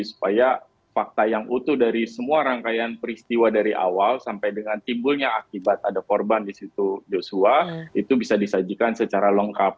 supaya fakta yang utuh dari semua rangkaian peristiwa dari awal sampai dengan timbulnya akibat ada korban di situ joshua itu bisa disajikan secara lengkap